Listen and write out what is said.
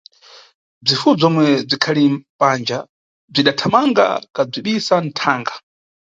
Bzifuwo bzomwe bzikhali panja bzidathamanga kabzibisa nʼthanga.